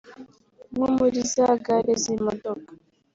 nko muri za gare z’imodoka